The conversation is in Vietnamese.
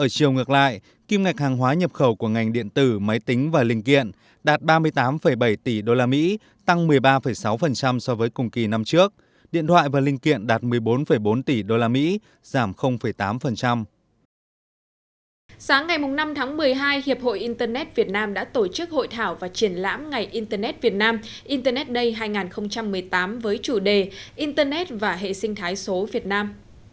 sáng ngày năm tháng một mươi hai hiệp hội internet việt nam đã tổ chức hội thảo và triển lãm ngày internet việt nam internet day hai nghìn một mươi tám với chủ đề internet và hệ sinh thái số việt nam